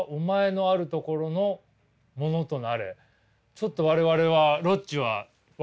ちょっと我々はロッチは分からないです。